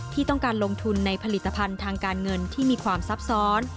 ที่ต้องการลงทุนในผลิตภัณฑ์ทางการเงินที่มีความซับซ้อน